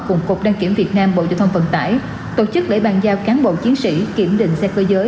cùng cục đăng kiểm việt nam bộ giao thông vận tải tổ chức lễ bàn giao cán bộ chiến sĩ kiểm định xe cơ giới